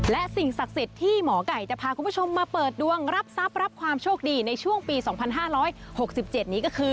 และสิ่งศักดิ์สิทธิ์ที่หมอไก่จะพาคุณผู้ชมมาเปิดดวงรับทรัพย์รับความโชคดีในช่วงปี๒๕๖๗นี้ก็คือ